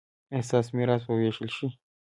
ایا ستاسو میراث به ویشل شي؟